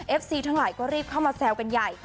ซีทั้งหลายก็รีบเข้ามาแซวกันใหญ่